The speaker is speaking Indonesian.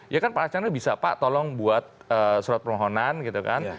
ya kan pak archandra bisa pak tolong buat surat permohonan gitu kan